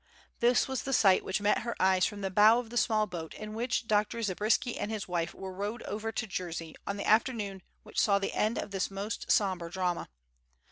This was the sight which met her eyes from the bow of the small boat in which Dr. Zabriskie and his wife were rowed over to Jersey on the afternoon which saw the end of this most sombre drama.